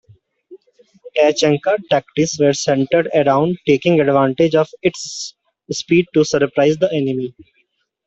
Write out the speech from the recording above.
Tachanka tactics were centered around taking advantage of its speed to surprise the enemy.